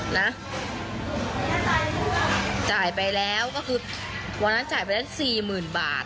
นะจ่ายไปแล้วก็คือวันนั้นจ่ายไปได้๔๐๐๐๐บาท